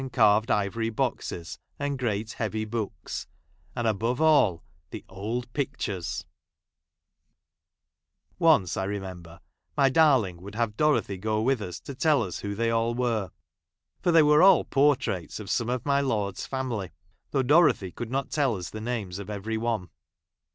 carved ivory boxes, and great heavy books, i I and, above all, the old pictures ! i : Once, I remember, my darling would have i ■ Dorothy go Avith us to tell us who they all |j were ; for they were all poi'traits of some of '< my lord's family, though Dorothy could not 'Ij tell us the names of every one.